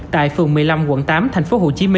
tại phường một mươi năm quận tám tp hcm